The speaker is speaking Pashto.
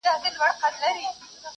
ولي ډیپلوماټ په نړیواله کچه ارزښت لري؟